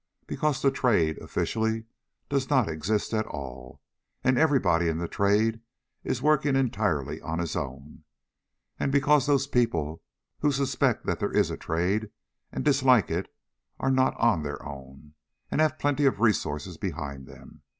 Because the Trade, officially, does not exist at all, and everybody in the Trade is working entirely on his own; and because those people who suspect that there is a Trade and dislike it are not on their own, but have plenty of resources behind them.